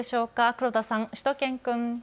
黒田さん、しゅと犬くん。